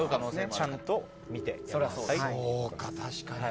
だからちゃんと見てくださいと。